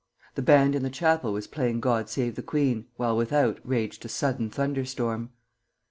The band in the chapel was playing "God Save the Queen," while without raged a sudden thunder storm.